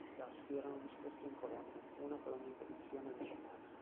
I tasti erano disposti in colonne, una per ogni posizione decimale.